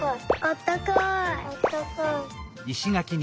あったかい。